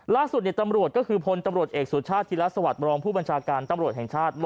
ล่าสุดตำรวจก็คือพลตำรวจเอกสุชาติธิรัฐสวัสดิบรองผู้บัญชาการตำรวจแห่งชาติ